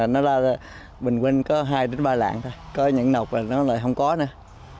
nó ra là bình quân có hai ba lạng thôi có những nọc là nó lại không có nữa